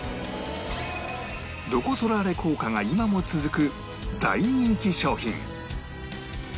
ロコ・ソラーレ効果が今も続く大人気商品